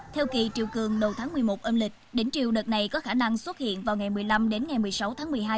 theo kỳ triều cường đầu tháng một mươi một âm lịch đến triều đợt này có khả năng xuất hiện vào ngày một mươi năm đến ngày một mươi sáu tháng một mươi hai